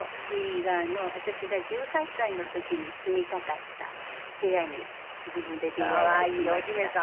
私が１８歳の時に住みたかった部屋に自分でＤＩＹしました。